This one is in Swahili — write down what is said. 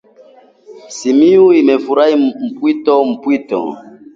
Simiyu anafuraha mpwito mpwito